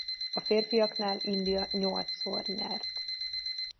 A férfiaknál India nyolcszor nyert.